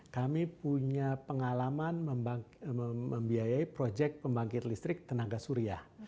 kami punya pengalaman membiayai proyek pembangkit listrik tenaga surya